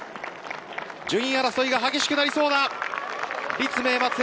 順位争いが激しくなりそうだ。